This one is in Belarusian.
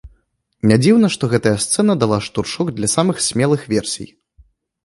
Не дзіўна, што гэтая сцэна дала штуршок для самых смелых версій.